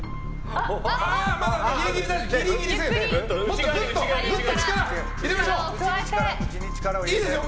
まだギリギリ大丈夫です。